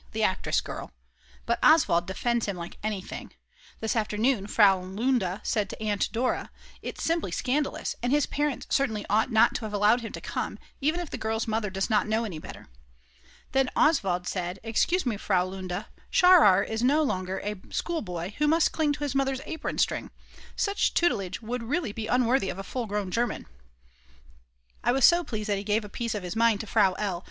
the actress girl. But Oswald defends him like anything. This afternoon Frau Lunda said to Aunt Dora: "It's simply scandalous, and his parents certainly ought not to have allowed him to come, even if the girl's mother does not know any better." Then Oswald said: "Excuse me, Frau Lunda, Scharrer is no longer a schoolboy who must cling to his mother's apron string; such tutelage would really be unworthy of a full grown German." I was so pleased that he gave a piece of his mind to Frau L.